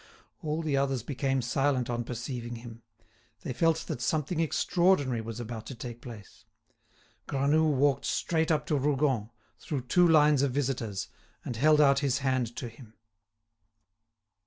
All the others became silent on perceiving him; they felt that something extraordinary was about to take place. Granoux walked straight up to Rougon, through two lines of visitors, and held out his hand to him.